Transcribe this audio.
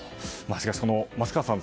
しかし、松川さん